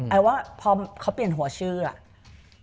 ว่าพอเขาเปลี่ยนหัวชื่ออ่ะ